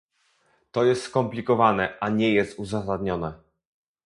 To jest skomplikowane, a nie jest uzasadnione